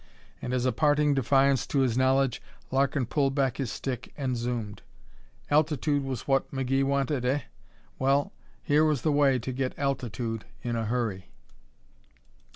And as a parting defiance to his knowledge, Larkin pulled back his stick and zoomed. Altitude was what McGee wanted, eh? Well, here was the way to get altitude in a hurry.